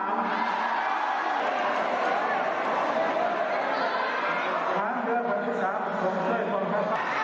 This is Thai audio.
สหารเมื่อวันที่สามส่วนเมื่อก่อนก็